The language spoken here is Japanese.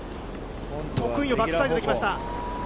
得意のバックサイドでいきました。